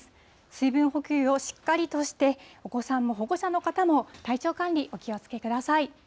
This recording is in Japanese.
水分補給をしっかりとして、お子さんも保護者の方も、体調管理、お気をつけください。